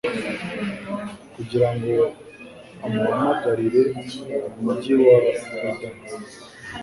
kugira ngo amuhagararire mu mugi wa Ouidah,